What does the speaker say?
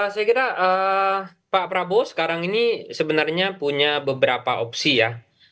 saya kira pak prabowo sekarang ini sebenarnya punya beberapa opsi ya